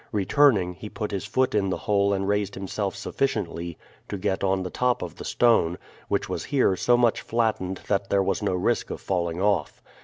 Returning he put his foot in the hole and raised himself sufficiently to get on the top of the stone, which was here so much flattened that there was no risk of falling off.